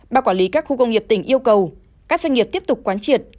ba quản lý các khu công nghiệp tỉnh yêu cầu các doanh nghiệp tiếp tục quán triệt